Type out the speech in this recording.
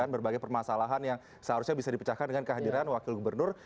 berbagai permasalahan yang seharusnya bisa dipecahkan dengan kehadiran wakil gubernur